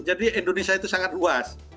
jadi indonesia itu sangat luas